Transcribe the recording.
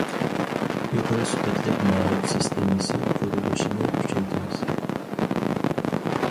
يۇقىرى سۈپەتلىك مائارىپ سىستېمىسى قۇرۇلۇشىنى كۈچەيتىمىز.